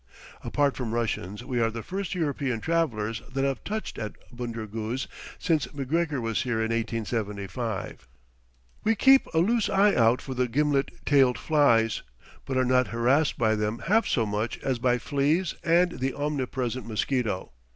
Apart from Russians, we are the first European travellers that have touched at Bunder Guz since McGregor was here in 1875. We keep a loose eye out for the gimlet tailed flies, but are not harassed by them half so much as by fleas and the omnipresent mosquito.